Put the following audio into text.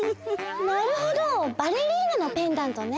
なるほどバレリーナのペンダントね。